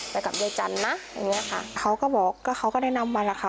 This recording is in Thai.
ไปกับยายจันนะอย่างเงี้ยค่ะเขาก็บอกก็เขาก็แนะนำมันแหละค่ะ